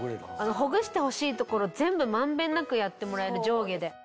ほぐしてほしい所全部満遍なくやってもらえる上下で。